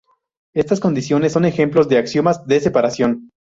Estas condiciones son ejemplos de Axiomas de separación.